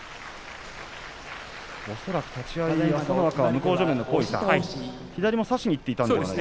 恐らく立ち合い朝乃若は向正面の厚井さん、左を差しにいっていたんでしょうか。